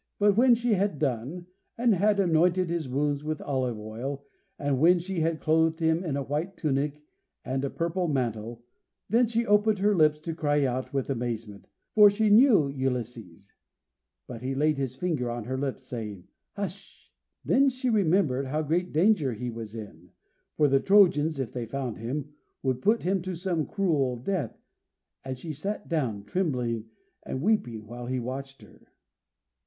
But when she had done, and had anointed his wounds with olive oil, and when she had clothed him in a white tunic and a purple mantle, then she opened her lips to cry out with amazement, for she knew Ulysses; but he laid his finger on her lips, saying "Hush!" Then she remembered how great danger he was in, for the Trojans, if they found him, would put him to some cruel death, and she sat down, trembling and weeping, while he watched her.